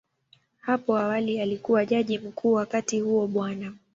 Hapo awali alikuwa Jaji Mkuu, wakati huo Bw.